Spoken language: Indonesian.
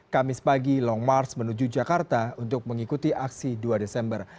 kamis pagi long march menuju jakarta untuk mengikuti aksi dua desember